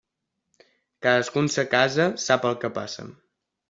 Cadascú en sa casa sap el que passa.